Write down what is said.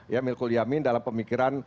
ya mil kuliamin dalam pemikiran